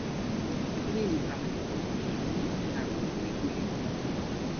lipu ni li sama lipu "nimi pu", taso nimi ku li lon ona.